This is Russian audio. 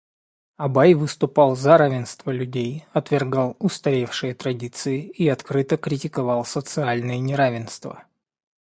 Абай выступал за равенство людей, отвергал устаревшие традиции и открыто критиковал социальные неравенства.